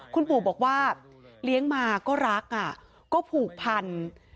คุณปู่บอกว่าเลี้ยงมาก็รักก็ผูกพัน